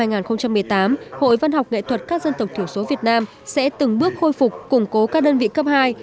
năm hai nghìn một mươi tám hội văn học nghệ thuật các dân tộc thiểu số việt nam sẽ từng bước khôi phục củng cố các đơn vị cấp hai